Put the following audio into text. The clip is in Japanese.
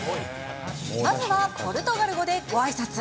まずはポルトガル語でごあいさつ。